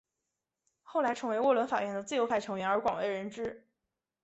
后来成为沃伦法院的自由派成员而广为人知。